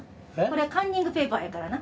これカンニングペーパーやからな。